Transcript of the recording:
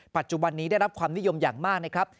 ปัจจุบันนี้ได้รับความนิยมอย่างมากนะครับ